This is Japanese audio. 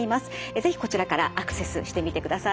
是非こちらからアクセスしてみてください。